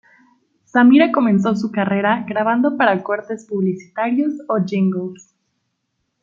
Samira comenzó su carrera grabando para cortes publicitarios o Jingles.